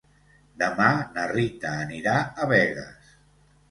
Demà na Rita anirà a Begues.